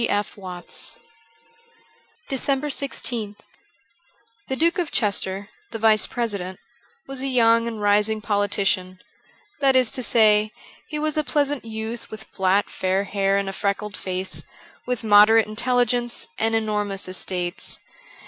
' G. F, Watts.' 388 DECEMBER i6th THE Duke of Chester, the vice president, was a young and rising politician — that is to say, he was a pleasant youth with flat fair hair and a freckled face, with moderate intelligence and enormous estates.